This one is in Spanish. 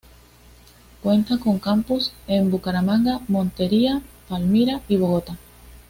Cuenta con campus en Bucaramanga, Montería, Palmira y Bogotá.